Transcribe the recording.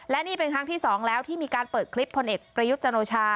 และนี่เป็นครั้งที่๒แล้วที่มีการเปิดคลิปพลเอกประยุทธ์จันโอชา